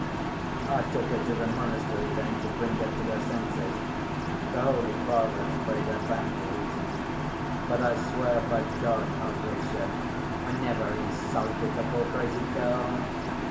'... I took her to the monastery then to bring her to her senses. The holy Fathers prayed her back to reason. But I swear, by God, Alyosha, I never insulted the poor crazy girl!